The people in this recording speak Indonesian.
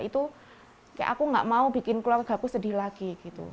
itu kayak aku gak mau bikin keluarga aku sedih lagi gitu